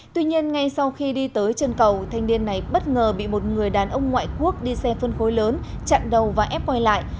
tuy nhiên ngay sau khi đi tới chân cầu thanh niên này bất ngờ bị một người đàn ông ngoại quốc đi xe phân khối lớn chặn đầu và ép quay lại